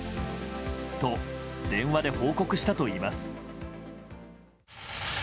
と、電話で報告したといいます。